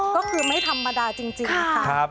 ก็คือไม่ธรรมดาจริงนะคะ